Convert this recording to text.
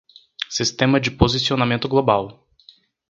Sistema de posicionamento global